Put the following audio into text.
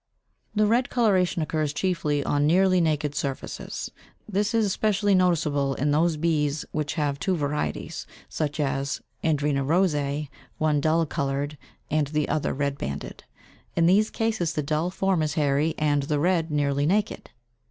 The red coloration occurs chiefly on nearly naked surfaces; this is specially noticeable in those bees which have two varieties, such as Andrena rosæ, one dull coloured and the other red banded: in these cases the dull form is hairy and the red nearly naked.